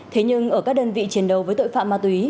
thế nhưng ở các đơn vị chiến đấu với tội phạm ma túy